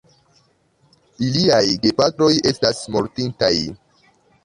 Iliaj gepatroj estas mortintaj.